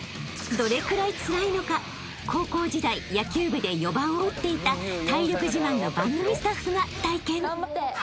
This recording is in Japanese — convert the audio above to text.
［どれくらいつらいのか高校時代野球部で４番を打っていた体力自慢の番組スタッフが体験］